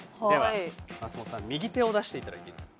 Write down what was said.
松本さん右手を出していただいていいですか。